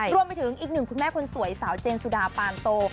รวมไปถึงอีกหนึ่งคุณแม่คนสวยสาวเจนสุดาปานโต